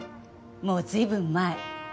もう随分前。